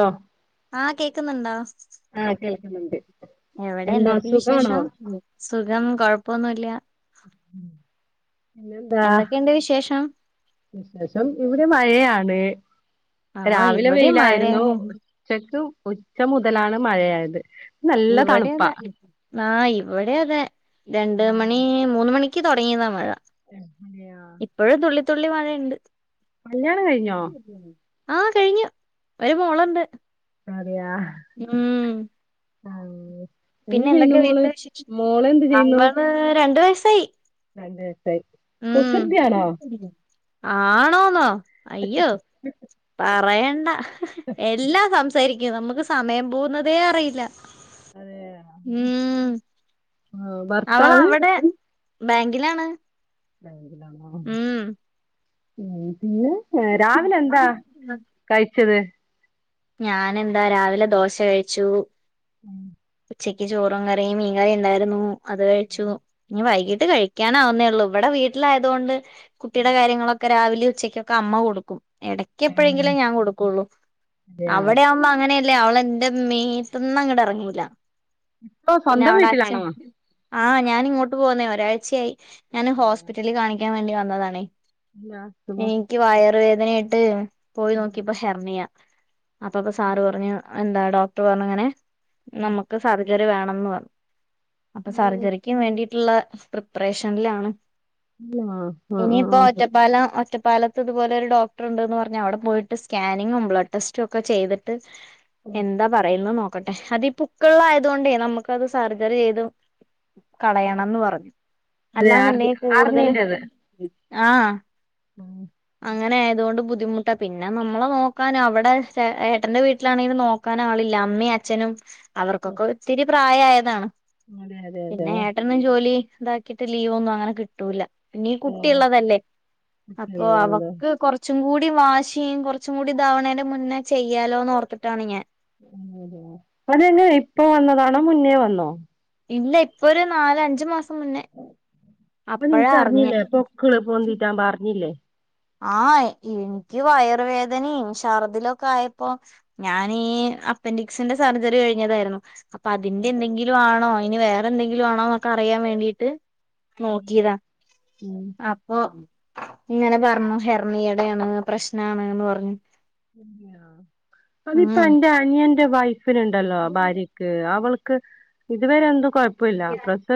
ആ ആ കേൾക്കുന്നുണ്ടോ ആ കേൾക്കുന്നുണ്ട് എവിടെ എന്താ എന്തൊക്കെയ സുഖാണോ വിശേഷം സുഖം കൊഴപ്പൊന്നുമില്ല പിന്നെന്താ എന്തൊക്കെയുണ്ട് വിശേഷം വിശേഷം ഇവിടെ മഴയാണ് ആഹ് രാവിലെ ഇവിടെയും വെയിലായിരുന്നു മഴന്നെ ഉച്ചക്കും ഉച്ച മുതലാണ് മഴയായത് നല്ല തണുപ്പാ ആ ഇവിടെ അതെ രണ്ട് മണി മൂന്ന് മണിക്ക് ക്ക് തുടങ്ങിയതാ മഴ അഹ ആ തുള്ളിമാഴയുണ്ട് കല്യാണം കഴിഞ്ഞോ ആഹ കഴിഞ്ഞു ഒരു മോളുണ്ട് അറയാ ഉം പിന്നെ എന്തൊക്കെയ വീട്ടില വി മോള് താങ്കളാണ് രണ്ട വയസ് ശ രണ്ട്സായി കുസൃതിയാണോ ആണോന്നോ അയ്യോ പറയണ്ട എല്ലാം സംസാരിക്ക നമുക്ക് സമയം പോകുന്നതേ അറിയില്ല അതെയാ ഉം ആഹ് അവള ഭർത്താവ് അവിടെ ബാങ്കിലാണ് ഉം [unintelligible] ഉം [unintelligible] ഉം പി രാവിലെ എന്താ കഴിച്ചത് ഞാനെന്താ രാവിലെ ദോശ കഴിച്ചു ഉം [unintelligible] ഉച്ചക്ക് ചോറും കറിയും മീൻകറിയും ഉണ്ടായിരുന്നു അത് കഴിച്ചു ഇനി വൈകീട്ട് കഴിക്കാനാവ ന്നേ ഉള്ളൂ ഇവിടെ വീട്ടിലായയതുകൊണ്ട് കുട്ടിയുടെ കാര്യങ്ങളൊക്കെ ഒക്കെ രാവിലെ ഉച്ചക്കൊക്കെ അമ്മ കൊടുക്കും ഇടക്ക ഉം എപ്പോഴെങ്കിലേ ഞാൻ കൊടുക്കുള്ളൂ അതെയാ അവിടെയാവുമ്പോ അങ്ങനെ അല്ലേ അവളെന്റെറെ മീത്തൊന്നും അങ്ങടെ ഇറങ്ങൂല ഇപ്പോ പിന്നെ സ്വന്തം അവിടെ അച്ഛൻ വീട്ടിലാണോ ആഹ് ഞാാന ഇങ്ങോട്ട് പോുന്നേ ഒരാഴ്ചയായി ഞാന്ൻ അല്ലാ ഹോസ്പിറ്റല് കാണിക്ക ക്കാൻ വേണ്ടി വന്നതണേ സുഖം എനിക്ക് വയറ് വേദ അതിനായിട്ട് പോയി നോക്ക്യപ്പം ഹെർണിയ അപ്പപ്പൊ സാർ പറഞ്ഞു എന്താ ഡോക്ടർ പറഞ്ഞു ഇങ്ങനെ നമുക്ക് സർ ജറി വേണംന്ന് പർഞ് അപ്പൊ സർജറിക്കും വേണ്ടിട്ടുള്ള പ്രിപ്പറേഷനിലാണ് ആഹ് ഇനിപ്പോ ആഹ് ഒറ്റപ്പാലം ഒറ്റപ്പ് പാലത്ത് ഇതുപോലെ ഒരു ഡോക്ടർണ്ട്ന്ന് പറഞ്ഞാ അവിടെ പോയിട്ട് സ്കാനിങ്ങും ബ്ലഡ് ടെസ്റ്റ് ററ്റൊക്കെ ചെയ്തിട്ട് എന്താ പറയുന്നു നോക്ക ക്കട്ടെ അതിപ്പുക്കള്ളായതുകൊണ്ടേ നമുക്കത് സർജറി ചെയ്തും ആഹ് കളയണംന്ന് പറഞ്ഞു അതെ ആർമി അല്ലാന്നുണ്ടെങ്കിൽ കൂടുതലും ആഹ് ഉം അങ്ങനെ ആയതുകൊണ്ട് ബുദ്ധിമുട്ടാ പിന്നെ നമ്മെ നോക്കാനും അവിടെ ചെ ഏട്ടന്റെ വീട്ടിലാണെങ്കിലും നോക്കാൻ ആളില്ല അമ്മി അച്ഛനും അവർക്കൊക്കെ ഒത്തിരി പ്രായായതാണ് അതെ അതെ അതെ പിന്നെ ആ ഏട്ടനും ജോലി ഇതാക്കിട്ട് ലീവൊന്നും അങ്ങനെ കിട്ടൂല്ല പിന്നീ കുട്ടിള്ളതല്ലേ അപ്പൊ നല്ലതാണ് അവക്ക് കൊർച്ചും കൂടി ടി വാശി കൊർച്ചും കൂടി ഇതാവ്ണേന്റെ മുന്നേ ചെയ്യാലോന്ന് ഓർത്തിട്ടാണ് ഞാൻ അതന്നെ ഇപ്പോ വന്നതാണോ മുന്നേ വന്ന ണോ ഇല്ല ഇപ്പൊ ഒരു നാല് അഞ്ചു മാസം മുന്നേ അപ്പം അപ്പഴാ അറിഞ്ഞേ നിൻക്കർഞ്ഞില്ലേ പൊക്ക്ള് പൊന്തിട്ടാവുമ്പോ അർഞ്ഞില്ലേ ആ എനിക്ക് വയറുവേദനയും ഷർദിലൊക്കെ ആയപ്പോൊ ഞാനീ അപ്പൻഡിക്സിന്റെ സർജറി കഴിഞ്ഞതായിരുന്നു അപ്പൊ അതിന്റെന്തെങ്കിലും ആണോ ഇനി വേറെ എന്തെങ്കിലും ആണോ ന്നൊക്കെ അറിയാൻ വേണ്ടീട്ട് നോക്കിയതാ ഉം അപ്പൊ ങ്ങനെ പർ ന്ന് ഹെർണിയടെയാണ് പ്രശ്നാണ്ന്ന് പർഞ്ഞു അ അതിപ്പോ എന്റെ അനിയ ന്റെ വൈ ഫ്നു ണ്ടല്ലോ ഉം ഭാര്യയ്ക്ക് അവൾ ക്ക് ഇതുവരെ എന്തൊ കൊ കുഴപ്പില്ല പ്രസ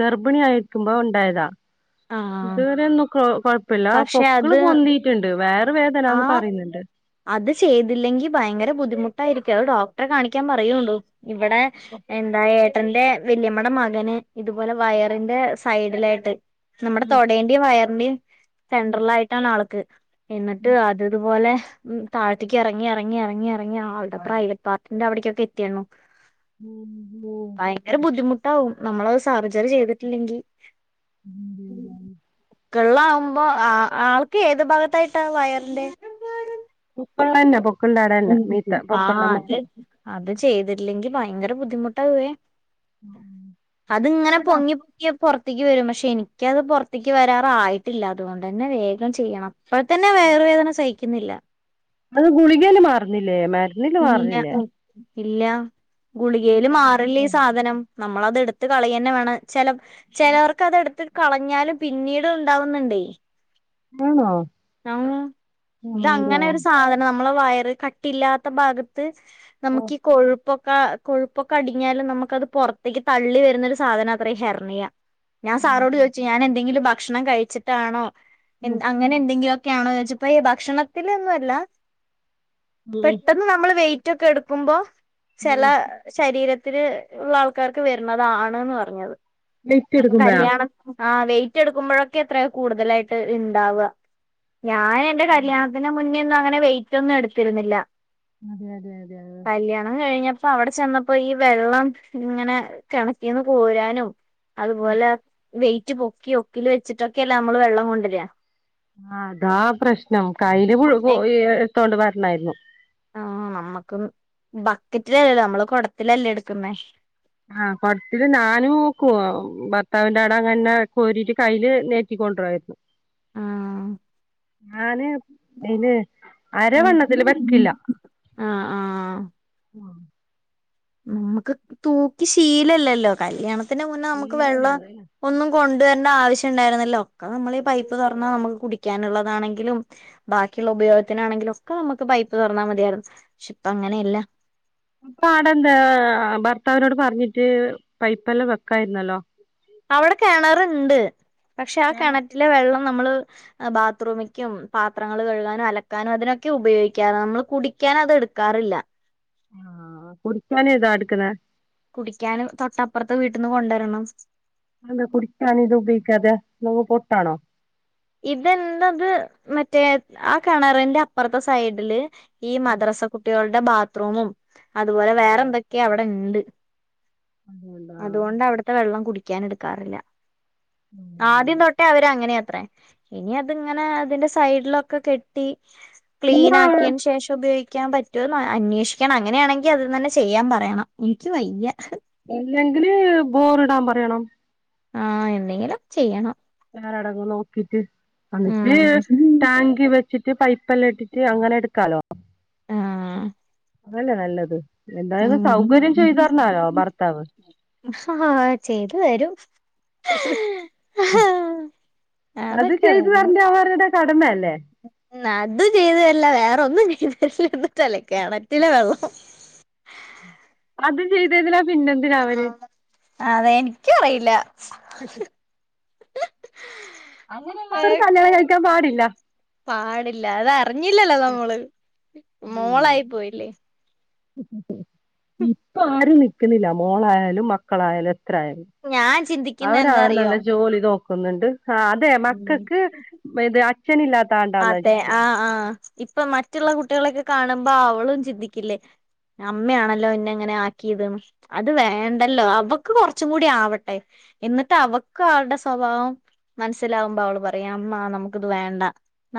ഗർബിണി ആയിരിക്കുമ്പോ ഉണ്ടായതാ ആഹ് ഇതുവരെന്നും കൊഴപ്പില്ല പക്ഷെ പൊക്കള് അത് പൊന്തീട്ടുണ്ട് വേറെ ആ വേദനന്ന് പറയുന്നുണ്ട് അത് ചെയ്തില്ലെങ്കിൽ ഭയങ്കര ബുദ്ധിമുട്ടായിരിക്കും അത് ഡോക്ടറെ കാണിക്കാൻ പറയുട് ഇവിടെ എന്തായ ട്ടന്റെ വല്യമ്മടെ മകന് ഇതുപോലെ വയറിന്റെ സൈഡിലായിട്ട് നമ്മുടെ തൊടേന്റെ വയർ [unintelligible] സെൻട്രൽ ആയിട്ടാണ് ആൾക്ക് എന്നിട്ട് അതതുപോലെ ഉം താഴത്തെക്ക് ഇറങ്ങി ഇറങ്ങി ഇറങ്ങി ഇറങ്ങി അള്ടെ പ്രൈവറ്റ് പാർട്ടിന്റെ അവിടേക്ക് ഒക്കെ എത്തിയണ്ണു ഉം ഉം ട്ടവും നമ്മളത് സർജറി ചെയ്തിട്ടില്ലെങ്കിൽ [unintelligible] കെള്ള ആകുമ്പോ ആ ആൾക്ക് ഏത് ഭാഗത്തായിട്ടാ വയറിന്റെ ഇപ്പൊള്ളന്ന പോ ആ അത് അത് ചെയ്ത് ഇല്ലെങ്കിൽ ഭയങ്കര ബുദ്ധിമുട്ടാവേ അത്ങ്ങനെ പൊങ്ങി പൊങ്ങിയ പുറത്തേക്ക് വരും പക്ഷെ എനിക്കത് പുറത്തേക്ക് വരാറായിട്ടില്ല അതുകൊണ്ട് തന്നെ വേഗം ചെയ്യണം അപ്പോ തന്നെ വേറ വേദന സയി ക്കുന്നില്ല അത് ഗുളികേൽ മാറുന്നില്ലേ ല്ല ഇല്ല മാറില്ലേ ഇല്ല ഗുളികയില് മാറില്ലേ ഈ സാധനം നമ്മള അത് എടുത്ത് കളയ തന്നെ വേണം ചില ചിലവർക്ക് അത് എടുത്ത് കളഞ്ഞാലും പിന്നീട് ഉണ്ടാവുന്നുണ്ടേ ആണോ ങ്ങ ആ അതെ ഇതങ്ങനെ ഒരു സാധനം നമ്മ നമ്മള വയർ കട്ടിയില്ലാ ഭാഗത്ത് നമുക്ക് ഈ കൊഴു പ്പൊക്കെ കൊഴുപ്പൊക്കെ അടിഞ്ഞാലും നമുക്കത് പുറത്തേക്ക് തള്ളി വരുന്നൊരു സാധനം ആണ് അത്ര ഹെർണിയ ഞാ സാറോട് ചോയിച്ച് ഞാൻ എന്തെങ്കിലും വ ഭക്ഷണം കഴിച്ചിട്ടാണോ എ അങ്ങനെ എന്തെങ്കി ക്കെയാണോ ചോദിച്ചപ്പോൾ എ ഭക്ഷണത്തിൽ ഒന്നും അല്ല പെട്ടെന്ന് നമ്മൾ വെ യിറ്റ് ഒക്കെ എടുക്കുമ്പോ ചില ശരീരത്ത ത്തിലുള്ള ആൾക്കാർക്ക് വരുന്നതാണ്ന്ന് പറഞ്ഞു ലേറ്റ് അപ്പൊ എടുക്കുമ്പഴാ കല്യാണം ആ വെയിറ്റ് എടുക്കുമ്പോഴൊക്കെ എത്ര കൂടുതലായിട്ട് ഇണ്ടാവുക ഞാൻ എന്റെ കല്യാണത്തിന് മുന്നേന്നും അങ്ങനെ വെയിറ്റ് ഒന്നും എടുത്തിരുന്നില്ല അതെ അതെ അതെ അതെ അപ്പ അവിടെ ചെന്നപ്പോ ഈ വെള്ളം ഇങ്ങനെ കിണറ്റിന് കോരാനും അതുപോലെ വെയിറ്റ് പൊക്കി ഒക്കില് വെച്ചിട്ടൊക്കെ അല്ല നമ്മള് വെള്ളം കൊണ്ടുവരുക ആ അതാ പ്രശ്നം കയ്യില് [unintelligible] എടുത്തോണ്ട് വരണായിരുന്നു ആ നമ്മുക്ക് ബക്കറ്റിലല്ലല്ലോ നമ്മള് കുടത്തിലല്ലേ എടുക്കുന്നേ ആ കുടത്തില് ഞാനും നോക്കുവ ഭർത്താവിന്റെ അട അങ്ങനന്നെ കോരിട്ട് കയ്യില് നേറ്റിക്കൊണ്ടായിരുന്നു ആ ഞാന് അയിന് ആ ആ ആ നമുക്ക് തൂക്കി ശീലല്ലല്ലോ കല്യാ ത്തിന് മുന്നേ നമുക്ക് ശീലല്ല വെള്ളം അതന്നെ. ഒന്നും കൊ കൊവരേണ്ട ആവശ്യം ഉണ്ടായിരുന്നല്ലോ ഒക്കെ നമ്മൾ ഈ പൈപ്പ് തുറന്നാ നമുക്ക് കുടിക്കാനുള്ളതാണെങ്കിലും ബാക്കിയുള്ള ഉപയോഗത്തിനാണെങ്കിലും ഒക്കെ നമുക്ക് പൈപ്പ് തുറന്നാൽ മതിയായിരുന്നു പക്ഷെ ഇപ്പ അങ്ങനെയല്ല അപ്പൊ അടെ എന്താ ഭർത്താവിനോട് പറഞ്ഞിട്ട് പൈപ്പെല്ലാം വെക്കായിരുന്നല്ലോ അവിടെ കിണറുണ്ട് പക്ഷെ ആ കിണറ്റിലെ വെള്ളം നമ്മള് ബാത്റൂമക്കും പാത്രങ്ങൾ കഴുകാനും അലക്കാനും അതിനൊക്കെ ഉപയോഗിക്കാൻ നമ്മള് കുടിക്കാൻ അത് എടുക്കാറില്ല ആ കുടികാൻ ഏതാ എടുക്കണേ കുടിക്കാനും തൊട്ടപ്പുറത്തെ വീട്ടിന്ന് കൊണ്ടുവരണം അത് എന്താ കുടിക്കാന് ഇത് ഉപയോഗിക്കാതെ നോവ് പൊട്ടാണോ ഇതെന്താത് മറ്റേ ആ കിണറിന്റെ അപ്പുറത്തെ സൈഡില് ഈ മദ്രസ കുട്ടികളു ബാത്റൂമും അതുപോലെ വേറെ എന്തൊക്കെയ അവിടെ ഉണ്ട് അതുകൊണ്ടാ അതുകൊണ്ട് അവിടുത്തെ വെള്ളം കുടിക്ക [unintelligible] എടുക്കാറില്ല ഉം ആദ്യം അങ്ങനെ തൊട്ടേ അവര് അങ്ങനെ ഇനി അതിങ്ങനെ അതിന്റെ സൈഡിലൊക്കെ കെട്ടി ക്ലീൻ പിന്നെ ആക്കിയതിന് ശേഷം ഉപയോഗിക്ക പിക്കാൻ പറ്റുമോന്ന് അന്വേഷിക്കണം അങ്ങനെയാണെങ്കിൽ അത് തന്നെ ചെയ്യാൻ പറയണം എനിക്ക് വയ്യ ഇല്ലെങ്കില് ബോറിടാൻ പറയണം ആഹ എന്തെങ്കിലും ചെയ്യണം വേറെടങ്ങ് നോക്കിട്ട്അന്നിട്ട് ഉം ടാങ്ക് വെച്ചിട്ട് പൈപ്പ ഉപ്പല്ലാം ഇട്ടിട്ട് അങ്ങനെ എടുക്കാലോ ആഹ അല്ലെ നല്ലത് എന്തായാലും സൗകര്യം ചെയ്ത് തരണല്ലോ ഭർത്താവ് ആ ചെയ്തു തരും അതൊക്കെ വരാ കടമ അല്ലേ അതും ചെയ്തുതരൂല്ല വേറെ ഒന്നും [unintelligible] കെണറ്റിലേ വെള്ളം അത് ചെയ്തതന്നില്ല പിന്നെന്തിനാ അവര് ആ അതെ എനിക്ക അറിയില്ല അങ്ങനെ ഏഹ് കല്യാണം കഴിക്കാൻ പാടില്ല പാടില്ല അതാ ഞ്ഞില്ലല്ലോ നമ്മള് ഉം മോളായി പോയില്ലേ [inaudible] ഇപ്പൊ ആരും ന്നില്ല മോളായാലും മക്കളായാലും ഞാൻ ചിന്തിക്കുന്ന അവര എന്താ അറിയോ നല്ല ജോലി നോക്ക ക്കുന്നുണ്ട് ആഹ അതെ ഉം മക്കൾക്ക് ഇത് അച്ഛന ഇല്ലാത്താണ്ടാന്ന് അതെ വെച്ചിട്ട് ആഹ് ആഹ് ഇപ്പൊ മറ്റുള്ള കുട്ടികളൊക്കെ കാണുമ്പോ അവളും ചിന്തിക്കില്ലേ അമ്മയാണല്ലോ എന്നെ അങ്ങനെ ആക്കിയത് അത് വേണ്ടല്ലോ അവക്ക് കൊറച്ചും കൂടി ആവട്ടെ എന്നിട്ട് അവക്ക് അവളടെ സ്വഭാവം മനസ്സിലാവുമ്പോ അവള് പറയാ അമ്മ നമുക്ക് ഇത് വേണ്ട,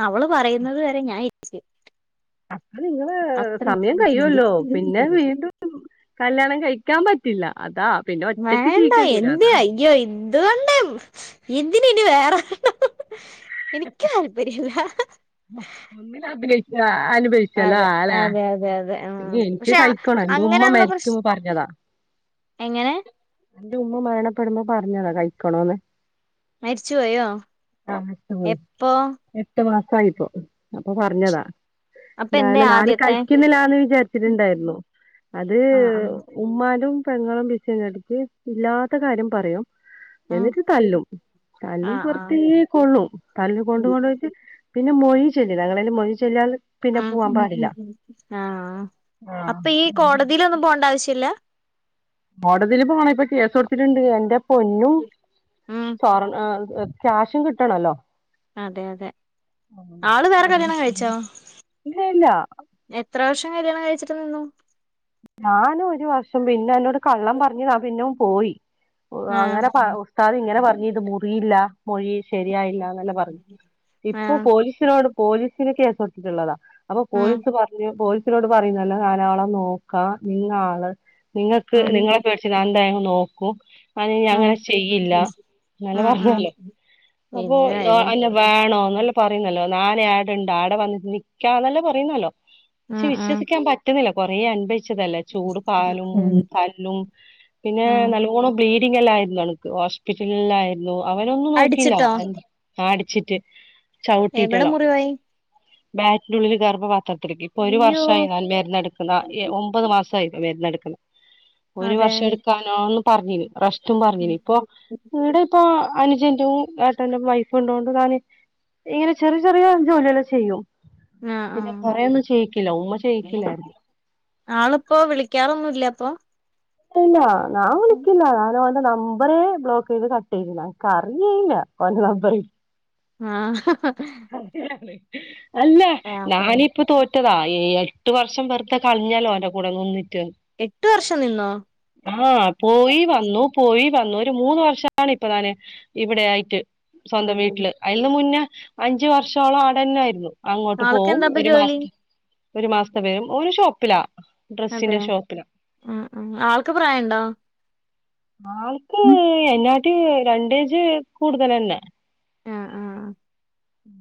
അവള് പറയുന്നത് വരെ ഞാൻ [unintelligible] അപ്പൊ നിങ്ങള് അത്ര സമയം കഴിയുമല്ലോ പിന്നെ വീണ്ടും കല്യാണം കഴിക്കാൻ പറ്റില്ല. അതാ പിന്നെ ഒറ്റക്ക് വേണ്ടാ ജീവിക്കേണ്ടി വരും എന്ത്‌ അതാ അയ്യോ ഇ എന്തിനാ ഇനി വേറൊരെണ്ണം. എനിക്ക് താല്പര്യമില്ല. ആ അനുഭവിച്ചല്ലോ അല്ലാ അതെ ഉം പിന്നെ എനിക്ക് പക്ഷെ കഴിക്കണം എന്റെ ഉമ്മ അങ്ങനെയുള്ള പ്രശ് മരിക്കും പറഞ്ഞതാ എങ്ങനെ എന്റെ ഉമ്മ മരണപ്പെടുമ്പോ പറഞ്ഞതാ കഴിക്കണോന്ന് മരിച്ചു പോയോ ലാസ്റ്റ് പോയി എപ്പൊ [unintelligible] അപ്പൊ പറഞ്ഞതാ അപ്പൊ എന്തേ എന്തായാലും നാന് ആദ്യത്തെ കഴിക്കുന്നില്ലാന്ന് [unintelligible] ആഹ് ആഹ് [unintelligible] ഇല്ലാത്ത കാര്യം പറയും. ആഹ് എന്നിട്ട് തല്ലും തല്ലും ആഹ് വെറത്തിയ കൊള്ളും തല്ല് കൊണ്ട കൊണ്ട് പോയിട്ട് പിന്നെ ന്നെ മൊഴി ചൊല്ലിതാ [unintelligible] ആഹ് ആഹ് ഹാ ആഹ് ആഹ് അപ്പൊ ഈ കോടതിയിലൊന്നും പോണ്ടാച് ചില കോടതിയില് പോണ ഇപ്പൊ കേസ് കൊടുത്തിട്ടുണ്ട് എന്റെ പൊന്നു ഉം സ്വർ ക്യാഷും കിട്ടണല്ലോ അതെ അതെ ആഹ് ആള് വേറെ അതെ കല്യാണം കഴിച്ചോ ഇല്ല ഇല്ല എത്ര വർഷം കല്യാണം കഴിച്ചിട്ട് നിന്ന? ഞാനൊരു വർഷം പിന്നെ ന്നോട് കള്ളം പർഞ്ഞതാ പിന്നെ ഓൻ പോയി അങ്ങനെ ആഹ് ഉസ്താദ ഇങ്ങനെ പറ ഇത് മുറിയില്ല മൊഴി ശരിയായില്ലന്നല്ലെ പറഞ്ഞു ഇപ്പൊ ആഹ് പോലീസിനോട് പോലീസിന് കേസ് കൊടുത്തിട്ടുള്ളതാ അപ്പൊ ഉം പോലീസ് പറഞ്ഞു [unintelligible] [unintelligible] പറയുന്നല്ലോ കാരാളം [unintelligible] ക്കാ നിങ്ങാള് നിങ്ങക്ക് ഉം നിങ്ങളെ പേടിച്ച് ഞാൻ [unintelligible] നോക്കൂ ഞാനിനി ഉം ഉം അങ്ങനെ ചെയ്യില്ല ങ്ങനെ ഉം പറഞ്ഞതല്ലേ അപ്പൊ എന്തായാലും അന്നെ വേണോ ങ്ങള് പറയുന്നല്ലോ നാനെ ആടെ ഉണ്ട് ആടെ വന്ന് നിക്കാന്നല്ലേ പറയുന്നുള്ളു ഉം ക്ഷെ ഉം വിശ്വസിക്കാൻ പറ്റുന്നില്ല കുറേയണ്ട് ച്ചതല്ലെ ചൂട് പാലും ഉം പല്ലും പിന്നെ ഉം നല്ലോണം ബ്ലീ ട്ടിക്കലായിരുന്നു എനക്ക് ഹോസ്പിറ്റലില് ആയിരുന്നു അവനൊന്നും നോക്കല അടിച്ചിട്ടോ അടി ച്ചിട്ട് എവിടെ മുറിവായി ബാറ്റിനുള്ളില് ഗർഭപാ സർജറിക്ക്‌ ഇപ്പോ ഒരു അയ്യോ വർഷായി നല്ലായിരുന്ന നടക്കണാ ഏ ഒമ്പ് മ്പത് മാസമായി ഇപ്പ മരുന്നെടുക്കണ ഒരു അതെ വർഷം എടുക്കാനാണ് പറഞ്ഞീന് റസ് റ്റും പറഞ്ഞീന് ഇപ്പൊ ഇവിടെ ഇപ്പോ അനുജന്റേം ഏട്ടന്റെയും വൈഫും ഉള്ള കൊണ്ട് ഞാന് ഇങ്ങനെ ചെറിയ ചെറിയ ജോലിയെല്ലാം ചെയ്യും പിന്നെ ആഹ് കൊറേന്നും ചെയ്യിക്കില്ല ഉമ്മ ചെയ്യിക്കില്ലായിരുന്നു പ്പൊ വിളിക്കാറൊന്നൂല്ലെ അപ്പൊ ഇല്ലാ ഞാൻ വിളിക്കൂല്ല ഞാനവന്റെ നമ്പറെ ബ്ലോക്ക് ചെയ്ത് കട്ട് ചെയ്യൂല്ല കാരണോന്നൂല്ല ഓന്റെ നമ്പറ് ആഹ് ഹഹ അല്ല ഞാനിപ്പ തോറ്റതാ ഏയാ എട്ട് വർഷം വെറുതേ കളഞ്ഞാലോ അവന്റെ കൂടെ നിന്ന് ട്ട് എട്ട് വർഷം നിന്നോ ആഹ് പോയി വന്നു പോയി വന്നു ഒരു മൂന്ന് വർഷമാണ് ഇപ്പൊ ഞാന് ഇവിടെ ആയിട്ട് സ്വന്തം അതെ വീട്ടില് അയ്നു മുന്നേ അഞ്ചു വർഷോളം അവിടെന്നായിരുന്നു അങ്ങോട്ട് ആൾക്ക് പോവും എന്താപ്പൊ ഒരു ജോലി മാസ് ഒരു മാസത്തെ വരും ഓന് ഷോപ്പിലാ അതെ ഡ്രസ്സിന്റെ ഷോപ്പിലാ ആ ആ ആൾക്ക് പ്രായണ്ടോ ആൾക്ക് എന്നാട്ടി രണ്ടേജ് കൂടുതലന്നെ ആ ആ അ ഉം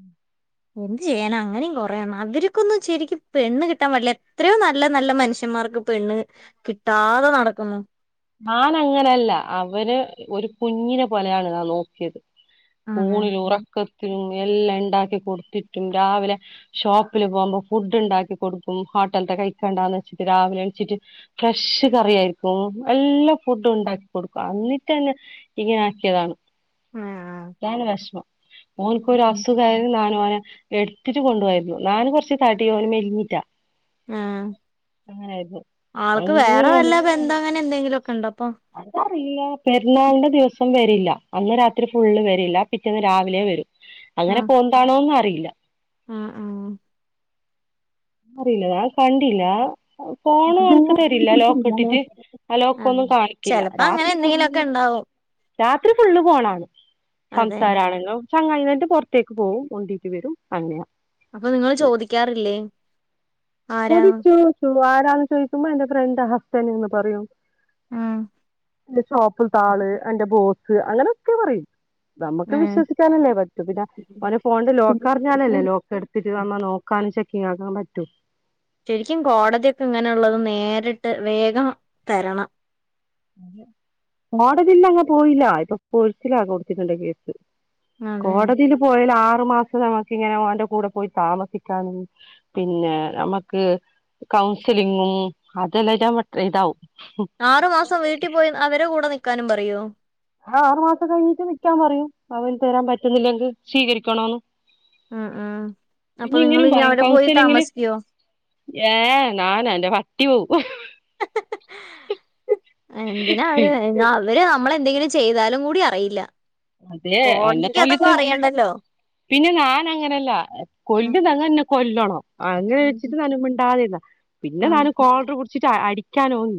എന്ത് ചെയ്യാനാ അങ്ങനെയും കൊറേയണ്ണം അവർക്കൊന്നും ശരിക്കും പെണ്ണ് കിട്ടാൻ വല്ല എത്രയോ നല്ല നല്ല മനുഷ്യന്മാർക്ക് പെണ്ണ് കിട്ടാതെ നടക്കുന്നു നാൻ അങ്ങനല്ല അവര് ഒരു കുഞ്ഞിനെ പോലെയാണ് നാൻ നോക്കിയത് അതെ ഊണിലും ഉറക്കത്തിലും എല്ലാം ഇണ്ടാക്കി കൊടുത്തിട്ടും രാവിലെ ഷോപ്പില് പോകുമ്പോ ഫുഡ് ഉണ്ടാക്കി കൊടുക്കും ഹോട്ടലത്തെ കഴിക്കണ്ടാന്ന് വെച്ചിട്ട് രാവിലെ എണിച്ചിട്ട് ഫ്രഷ് കറിയയിരിക്കും എല്ലാ ഫുഡും ഉണ്ടാക്കി കൊടുക്കു അന്നിട്ട് ന്നെ ഇങ്ങനെ ആക്കിയതാണ് ആഹ് ഇതാണ് വഷമം ഓൻക്കൊരു ഒരു അസുഖായാലും നാൻ ഓനെ എടുത്തിട്ട് കൊണ്ട് പോയരുന്നു നാൻ കൊറച്ച് തടി ഓൻ മെലിഞ്ഞിറ്റാ ആ ആൾക്ക് വേറെ വല്ല ബന്ധം അങ്ങനെ എന്തെങ്കിലും അതറില്ല പെരുന്നാള്ന്റെ ദിവസം ന്ന് വരില്ല അന്ന് രാത്രി ഫുള്ള് വരില്ല പിറ്റേന്ന് രാവിലെ വരും അങ്ങനെ ആഹ് പോന്താണോന്നും അറിയില ആഹ് അറില ഞാൻ കണ്ടില്ല ഫോണ് ആഹ് എനിക്ക് തരില്ല ലോക്ക് ഇട്ടിട്ട് ആ ആഹ് ലോക്ക്ന്നും കാണിക്കില്ല ചെലപ്പോ അങ്ങനെ രാത്രി എന്തെങ്കിലുമൊക്കെ ഫുള് ഉണ്ടാവും രാത്രി ഫുള്ള് ഫോണാണ് അതെ സംസാരാണെലും ചങ്ങായിന് പറഞ്ഞിട്ട് പുറത്തേക്ക് പോഉം കൊണ്ടീട്ട് വരും അങ്ങയാ അപ്പോ നിങ്ങൾ ചോദിക്കാറില്ലേ ആരാന്ന് ചോലിച്ചു ചൊവ്വായി ന്ത ചോദിക്കുമ്പോ എന്റെ ഫ്രണ്ട ഹസ്ബൻറ്റ്ന്ന് പറയും ഉം എന്റെ ഷോപ്പിൽ ആള് എന്റെ ബോസ് അങ്ങനൊക്കെ പറയും നമക്ക് വിശ്വസിക്കാനല്ലേ പറ്റു പിന്നെ ഓന് ഫോണില് ലോക്ക്റിഞ്ഞാലല്ലേ ലോക്ക് എടുത്തിട്ട് നമ്മ നോക്കാനും ചെ ശെരിആക്കാൻ പറ്റു ശരിക്കും കോടതിയൊക്കെ ഇങ്ങനള്ളത് നേരിട്ട് വേഗം തരണം കോടതില്ല അങ്ങ് പോയില്ല ഇപ്പോ പൊഴിച്ചിലാ കൊടുത്തിക്ക്ണ്ട് കേസ് അതെ കോടതിൽ പോയൽ ആ മാസം നമക്ക് ഇങ്ങനെ ഓന്റെ കൂടെ പോയി താമസിക്കാനും പിന്നെ നമക്ക് കൗൺസിലിങ്ങും അതെല്ലാംല്ല ഇതാവും ആറ് മാസ് വീട്ടിൽ പോയി അവര കൂടെ നി ക്കാനും പറയോ ആ ആറ് മാസം കഴിഞ്ഞിട്ട് നിക്കാൻ പറയും അവന് തരാൻ പറ്റുന്നില്ലെങ്കിൽ സ്വീകരിക്കണംന്ന് ഉം ഉം അപ്പൊ പിന്നെ നിങ്ങൾ ഇങ്ങനും ഇനി പറയും അവിടെ പോയി കൗസ്ലിങ്ങില് താമസിക്കോ ഏ നാല എന്റെ പ റ്റൂ എന്തിനാ അവര് വെര് അവര് നമ്മളെന്തെങ്കിലും ചെയ്താലും കൂടി അറിയില്ല. അതെ അന്നാ കോടതിക്ക് അതൊന്നും തല്ലട്ടെ. അറിയണ്ടല്ലോ പിന്നെ ഞാന് അങ്ങനെയല്ല ഉം കൊല്ലുന്നങ്ങന്നെ കൊല്ലണം അങ്ങനെ വെച്ചിട്ട് നാൻ മിണ്ടാതിരുന്നേ. പിന്നെ ഉം നാനു കോളർ പിടിച്ചിട്ട് അടി ക്കാനും